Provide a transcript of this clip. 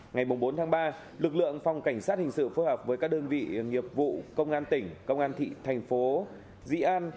ngày bốn tháng ba lực lượng phòng cảnh sát hình sự phối hợp với các đơn vị nghiệp vụ công an tỉnh công an thị thành phố dĩ an